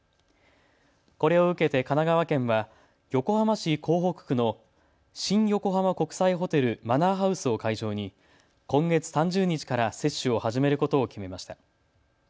これを受けて神奈川県は横浜市港北区の新横浜国際ホテルマナーハウスを会場に今月３０日から接種を始めることを決めました。